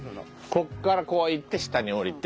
ここからこう行って下に下りて。